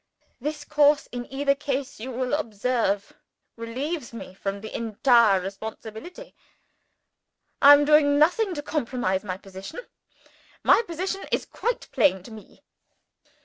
This course, in either case you will observe, relieves me from the entire responsibility. I am doing nothing to compromise my position. My position is quite plain to me.